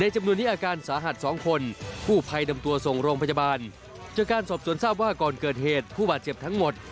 เจอการสอบสวนทราบว่าก่อนเกิดเหตุผู้บาดเจ็บทั้งหมด